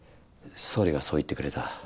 総理がそう言ってくれた。